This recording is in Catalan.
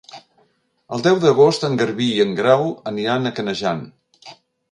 El deu d'agost en Garbí i en Grau aniran a Canejan.